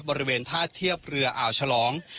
บริบันธุ์ธาตุเทียบเรืออาวชาลอง